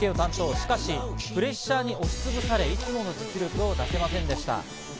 しかしプレッシャーに押しつぶされ、いつもの実力を出せませんでした。